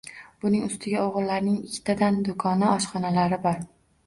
Buning ustiga o`g`illarining ikkitadan do`koni, oshxonalari bor